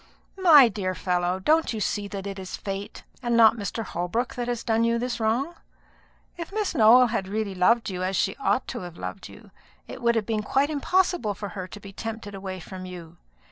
"My dear fellow, don't you see that it is fate, and not Mr. Holbrook, that has done you this wrong? If Miss Nowell had really loved you as she ought to have loved you, it would have been quite impossible for her to be tempted away from you.